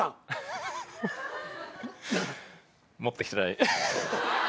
フフフ持ってきてない。